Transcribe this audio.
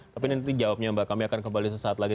tapi nanti jawabnya mbak kami akan kembali sesaat lagi